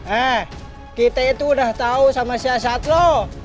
eh kita itu udah tau sama si asyadlo